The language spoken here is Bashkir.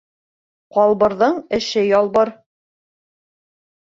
Ҡалбырҙыңэше ялбыр.